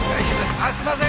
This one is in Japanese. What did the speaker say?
あっすみません